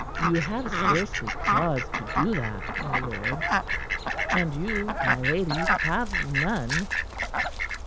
You have scarcely cause to do that, my lord; and you, my lady, have none.